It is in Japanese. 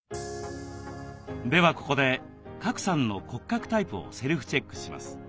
ではここで賀来さんの骨格タイプをセルフチェックします。